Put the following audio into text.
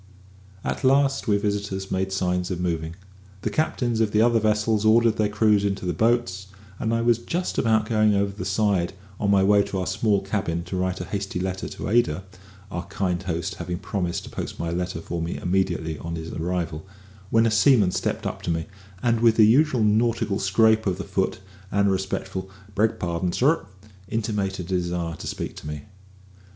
At last we visitors made signs of moving. The captains of the other vessels ordered their crews into their boats, and I was just about going over the side on my way to our small cabin to write a hasty line to Ada (our kind host having promised to post my letter for me immediately on his arrival), when a seaman stepped up to me, and with the usual nautical scrape of the foot and a respectful "Beg pardon, sir," intimated a desire to speak to me.